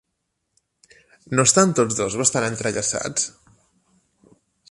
No estan tots dos bastant entrellaçats?